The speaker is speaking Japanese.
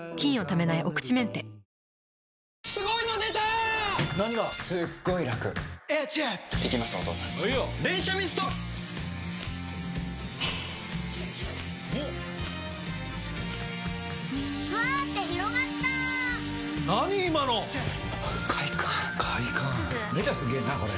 めちゃすげぇなこれ！